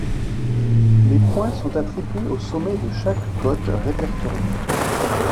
Les points sont attribués au sommet de chaque côte répertoriée.